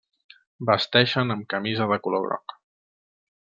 Vesteixen amb camisa de color groc.